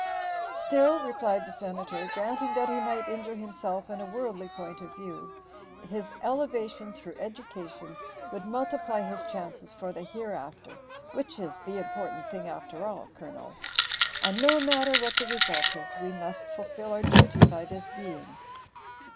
"Still," replied the Senator, "granting that he might injure himself in a worldly point of view, his elevation through education would multiply his chances for the hereafter which is the important thing after all, Colonel. And no matter what the result is, we must fulfill our duty by this being."